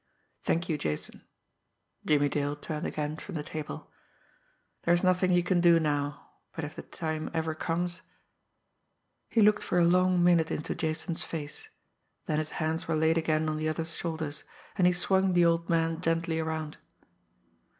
"Thank you, Jason." Jimmie Dale turned again from the table. "There is nothing you can do now, but if the time ever comes " He looked for a long minute into Jason's face; then his hands were laid again on the other's shoulders, and he swung the old man gently around.